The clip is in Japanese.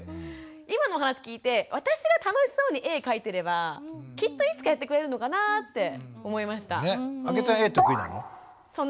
今の話を聞いて私が楽しそうに絵描いてればきっといつかやってくれるのかなって思いました。